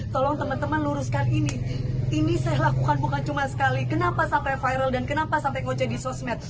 tolong teman teman luruskan ini ini saya lakukan bukan cuma sekali kenapa sampai viral dan kenapa sampai kocek di sosmed